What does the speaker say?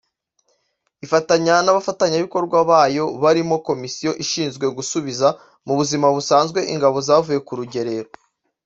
ifatanya n’abafatanyabikorwa bayo barimo Komisiyo ishinzwe Gusubiza mu buzima busanzwe Ingabo zavuye ku Rugerero